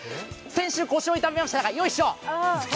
先週、腰を痛めましたがよいしょ！